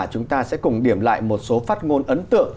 chúng ta sẽ cùng điểm lại một số phát ngôn ấn tượng